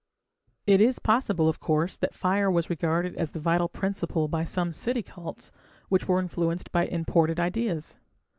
It is possible, of course, that fire was regarded as the vital principle by some city cults, which were influenced by imported ideas.